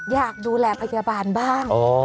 อยากดูแลพยาบาลบ้าง